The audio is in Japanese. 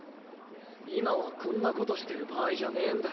今はこんなことしてる場合じゃねぇんだよ。